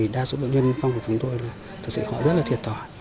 đa số bệnh viện phong của chúng tôi là thực sự họ rất là thiệt tỏa